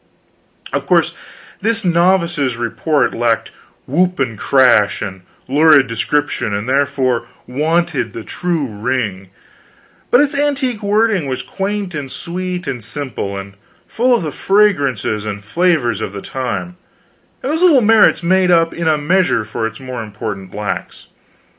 Of course this novice's report lacked whoop and crash and lurid description, and therefore wanted the true ring; but its antique wording was quaint and sweet and simple, and full of the fragrances and flavors of the time, and these little merits made up in a measure for its more important lacks.